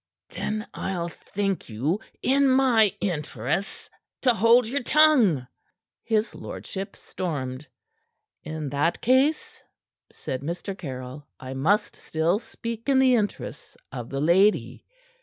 "Then I'll thank you, in my interests, to hold your tongue!" his lordship stormed. "In that case," said Mr. Caryll, "I must still speak in the interests of the lady.